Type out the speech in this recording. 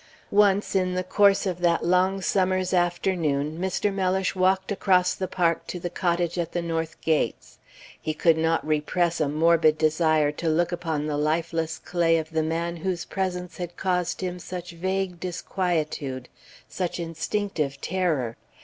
Once in the course of that long summer's afternoon Mr. Mellish walked across the Park to the cottage at the north gates. He could not repress a morbid desire to look upon the lifeless clay of the man whose presence had caused him such vague disquietude, such instinctive terror.